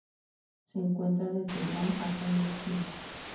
Se encuentra desde Irán hasta Indochina.